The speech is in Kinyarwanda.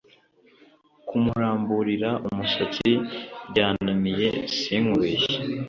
Kumuramburira umusatsi byananiye sinkubeshye